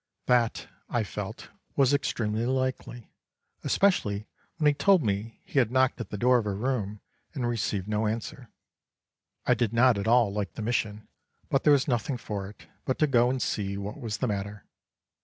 That, I felt, was extremely likely, especially when he told me he had knocked at the door of her room and received no answer. I did not at all like the mission, but there was nothing for it but to go and see what was the matter.